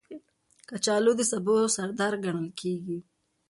کچالو د سبو سردار ګڼل کېږي